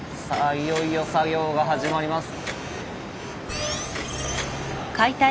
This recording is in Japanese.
いよいよ作業が始まります。